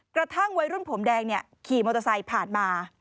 กระทั่งวัยรุ่นผมแดงขี่มอเตอร์ไซค์ผ่านมา